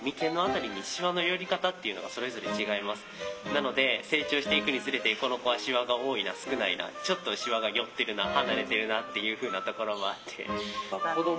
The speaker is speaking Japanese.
なので成長していくにつれてこの子はしわが多いな少ないなちょっとしわが寄ってるな離れてるなというふうなところもあって。